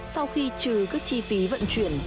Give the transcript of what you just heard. sau khi trừ các chi phí vận chuyển